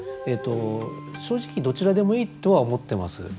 正直どちらでもいいとは思ってます。